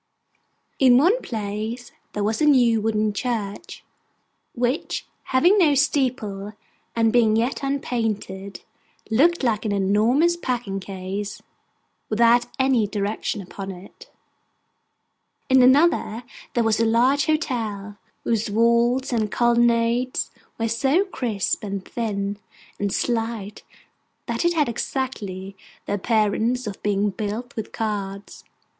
In one place, there was a new wooden church, which, having no steeple, and being yet unpainted, looked like an enormous packing case without any direction upon it. In another there was a large hotel, whose walls and colonnades were so crisp, and thin, and slight, that it had exactly the appearance of being built with cards.